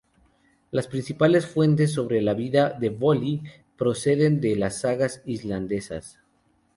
Las principales fuentes sobre la vida de Bolli proceden de las sagas islandesas.